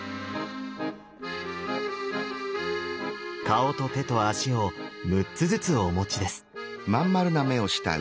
顔と手と足を６つずつお持ちです。